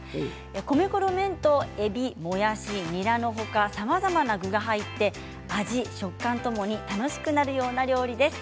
米粉の麺と、えび、もやしにらのほかさまざまな具が入って味、食感ともに楽しくなるような料理です。